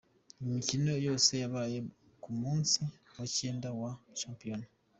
Imikino yose yabaye ku munsi wa cyenda wa Shampiyona.